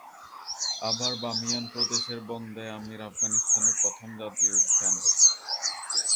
আবার বামিয়ান প্রদেশের বন্দে-আমির আফগানিস্তানের প্রথম জাতীয় উদ্যান।